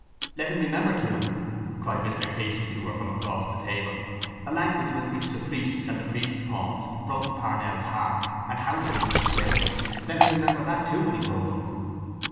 —Let him remember too, cried Mr Casey to her from across the table, the language with which the priests and the priests' pawns broke Parnell's heart and hounded him into his grave. Let him remember that too when he grows up.